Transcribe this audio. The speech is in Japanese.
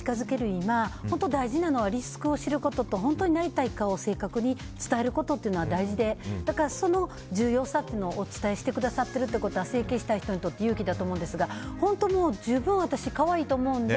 今本当大事なのはリスクを知ることと本当になりたい顔を正確に伝えることは大事でその重要さをお伝えしてくださってることは整形したい人にとって有益だと思うんですが本当、十分私可愛いと思うので。